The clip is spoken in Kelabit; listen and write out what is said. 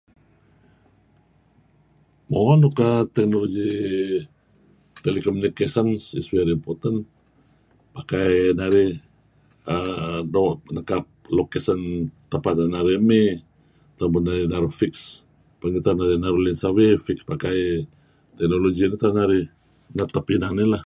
Mo' nuk err technology telecommunications is very important, pakai narih err doo' nekap location tempat nuk inan narih emey, atau pun narih fix perimeter narih lun survey pakai technology meto' narih netep ineh leh.